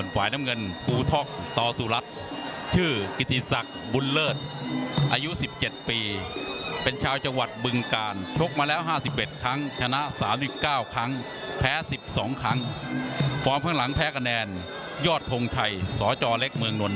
ฝ่ายแดงยอดโทงชัยสจเล็กเมืองนนท์